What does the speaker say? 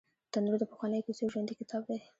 تنور د پخوانیو کیسو ژوندي کتاب دی